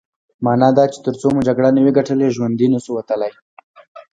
مانا دا چې ترڅو مو جګړه نه وي ګټلې ژوندي نه شو وتلای.